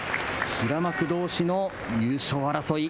平幕どうしの優勝争い。